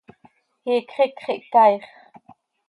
¡Iicx iicx ihcaaix!